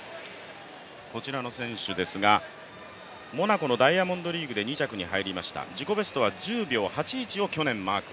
こちらの選手ですがモナコのダイヤモンドリーグで２着に入りました自己ベストは１０秒８１を去年マーク。